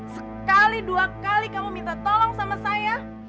sekali dua kali kamu minta tolong sama saya